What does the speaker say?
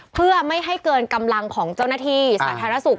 เพื่อไม่ให้เกินกำลังของเจ้าหน้าที่สาธารณสุข